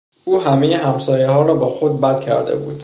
او همهی همسایهها را با خود بد کرده بود.